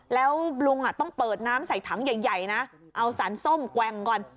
แล้วลุงต้องเปิดน้ำใส่ถังใหญ่นะเอาสารส้มแกว่งก่อน